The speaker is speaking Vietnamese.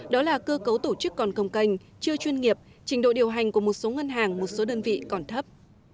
đó là cơ cấu tổ chức còn công canh chưa chuyên nghiệp trình độ điều hành của một số ngân hàng một số đơn vị còn thấp